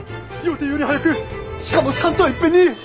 予定より早くしかも３頭いっぺんに！